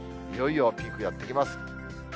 いよいよピークがやって来ます。